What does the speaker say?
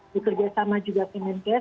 dikerjasama juga pnks